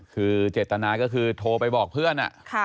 คือเจตนาก็คือโทรไปบอกเพื่อน